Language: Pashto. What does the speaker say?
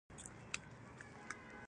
تیاره او بدرنګې برخې یې هم تلل کېږي.